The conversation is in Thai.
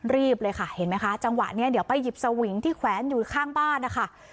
รีบเลยค่ะเห็นไหมคะจังหวะนี้เดี๋ยวไปหยิบสวิงที่แขวนอยู่ข้างบ้านนะคะ